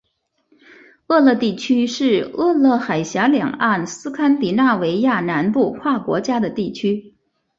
厄勒地区是厄勒海峡两岸斯堪的纳维亚南部跨国家的地区。